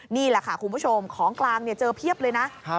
นี่แหละค่ะคุณผู้ชมของกลางเจอเพียบเลยนะ